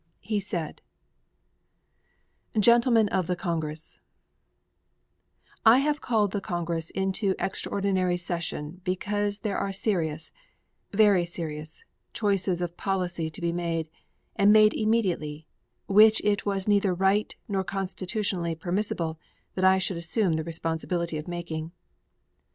He said: GENTLEMEN OF THE CONGRESS: I have called the Congress into extraordinary session because there are serious, very serious, choices of policy to be made, and made immediately, which it was neither right nor constitutionally permissible that I should assume the responsibility of making.